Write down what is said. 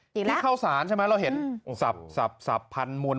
ที่เข้าสารใช่ไหมเราเห็นสับพันมวล